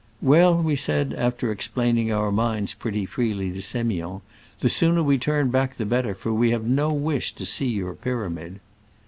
"Well," we said, after explaining our minds pretty freely to Semiond, *'the sooner we turn back the better, for we have no wish to see your pyramid."